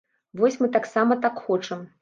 Вось мы таксама так хочам.